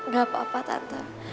gak apa apa tante